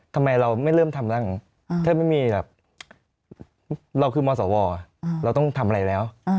ทำไมเราไม่เริ่มทำแล้วถ้าไม่มีแบบเราคือมสวเราต้องทำอะไรแล้ว